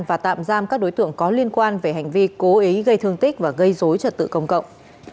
và tạm giam các đối tượng có liên quan về hành vi cố ý gây thương tích và gây dối trật tự công cộng